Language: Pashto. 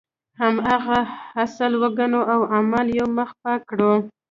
هماغه اصل وګڼو او اعمال یو مخ پاک کړو.